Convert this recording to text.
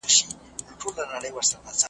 هغه ټولنه چي کتاب ته ارزښت ورکوي تل پرمختګ